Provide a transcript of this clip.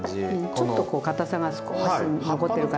ちょっとこうかたさが少し残ってる感じ。